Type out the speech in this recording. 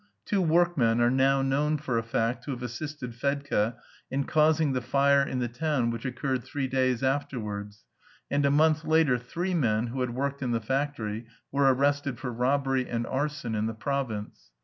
Two workmen are now known for a fact to have assisted Fedka in causing the fire in the town which occurred three days afterwards, and a month later three men who had worked in the factory were arrested for robbery and arson in the province.